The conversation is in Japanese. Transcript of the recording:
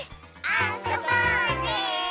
あそぼうね！